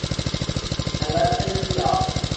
I left it at the office.